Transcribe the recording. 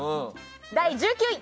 第１９位！